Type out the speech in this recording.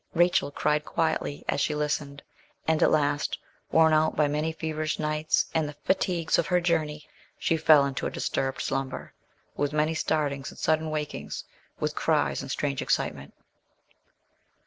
Rachel cried quietly as she listened, and at last, worn out by many feverish nights, and the fatigues of her journey, she fell into a disturbed slumber, with many startings and sudden wakings, with cries and strange excitement.